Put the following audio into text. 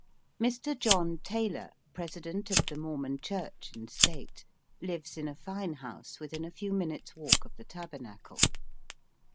Mr. John Taylor, President of the Mormon Church and State, lives in a fine house within a few minutes' walk of the Tabernacle.